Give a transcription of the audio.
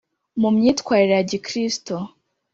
mu myitwarire ya gikristo